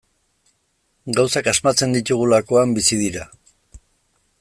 Gauzak asmatzen ditugulakoan bizi dira.